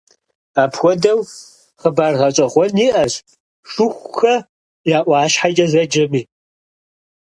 Апхуэдэу хъыбар гъэщӏэгъуэн иӏэщ «Шыхухэ я ӏуащхьэкӏэ» зэджэми.